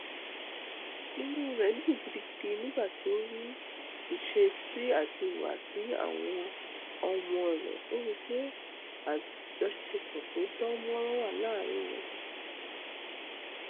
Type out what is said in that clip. Early missionaries pioneered in China, Japan, South Africa, Mongolia, India and South America.